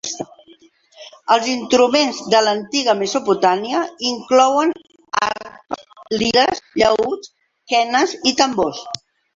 Els instruments de l'antiga Mesopotàmia inclouen arpes, lires, llaüts, quenes i tambors.